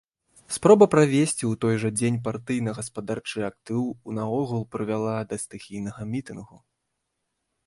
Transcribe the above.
Спроба правесці ў той жа дзень партыйна-гаспадарчы актыў у наогул прывяла да стыхійнага мітынгу.